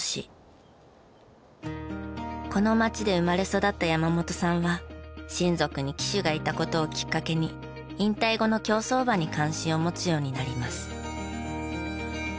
この街で生まれ育った山本さんは親族に騎手がいた事をきっかけに引退後の競走馬に関心を持つようになります。